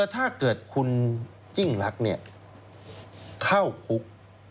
ถ้าเกิดคุณยิ่งรักเข้าคุก